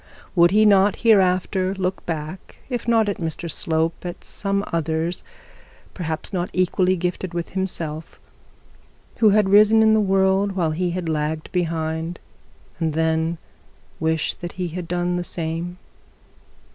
Would he not hereafter look back, if not at Mr Slope, at some others, people not equally gifted with himself, who had risen in the world while he had lagged behind, and then wish that he had done the same?